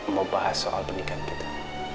mau bahas soal pernikahan kita